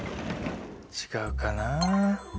違うかな。